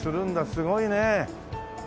すごいね。